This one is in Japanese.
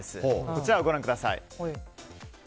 こちら、ご覧ください。